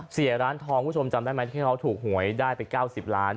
เสียร้านทองคุณผู้ชมจำได้ไหมที่เขาถูกหวยได้ไป๙๐ล้าน